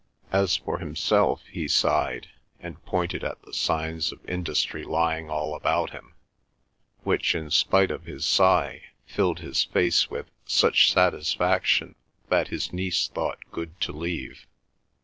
As for himself—he sighed and pointed at the signs of industry lying all about him, which, in spite of his sigh, filled his face with such satisfaction that his niece thought good to leave.